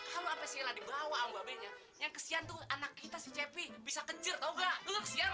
kalau apesila dibawa babenya yang kesian tuh anak kita si cepi bisa kecil tahu gak kesian